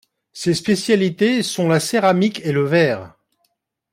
Ses spécialités sont la céramique et le verre.